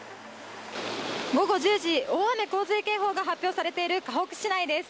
午後１０時、大雨洪水警報が発表されているかほく市内です。